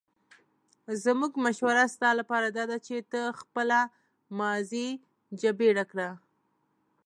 زموږ مشوره ستا لپاره داده چې ته خپله ماضي جبیره کړه.